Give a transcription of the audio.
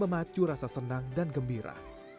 dan juga dapat memberikan rasa senang dan gembira